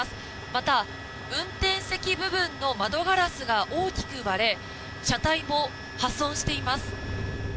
また、運転席部分の窓ガラスが大きく割れ車体も破損しています。